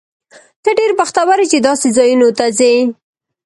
ته ډېر بختور یې، چې داسې ځایونو ته ځې.